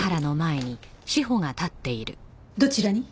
どちらに？